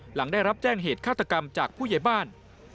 หลังได้รับแจ้งเหตุฆาตกรรมจากผู้ใหญ่บ้าน